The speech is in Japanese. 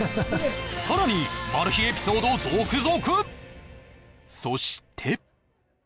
さらにマル秘エピソード続々